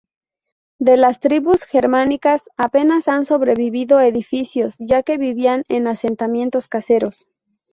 De las tribus germánicas apenas han sobrevivido edificios, ya que vivían en asentamientos caseros.